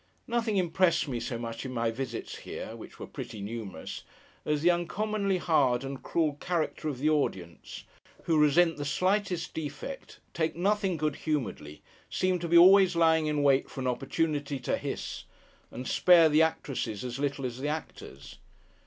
Nothing impressed me, so much, in my visits here (which were pretty numerous) as the uncommonly hard and cruel character of the audience, who resent the slightest defect, take nothing good humouredly, seem to be always lying in wait for an opportunity to hiss, and spare the actresses as little as the actors.